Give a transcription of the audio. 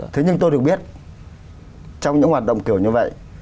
thế nhưng tôi được biết trong những hoạt động kiểu như vậy